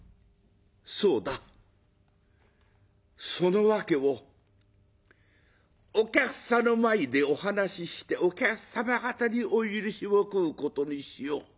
そうだその訳をお客さんの前でお話ししてお客様方にお許しを請うことにしよう」。